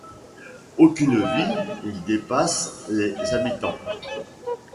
Aucune ville n'y dépasse les habitants.